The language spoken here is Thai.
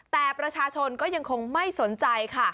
แต่ประชาชนก็ยังคงไม่สนใจค่ะ